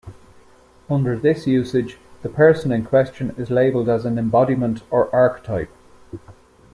Under this usage, the person in question is labeled as an embodiment or archetype.